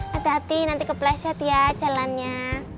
hati hati nanti kepleset ya jalannya